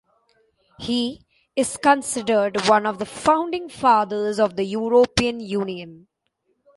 He is considered one of the founding fathers of the European Union.